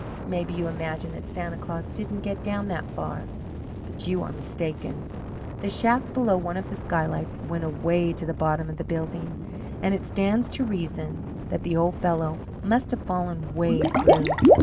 Maybe you imagine that Santa Claus didn't get down that far. But you are mistaken. The shaft below one of the skylights went away to the bottom of the building, and it stands to reason that the old fellow must have fallen way through.